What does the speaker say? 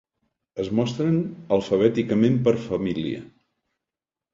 Es mostren alfabèticament per família.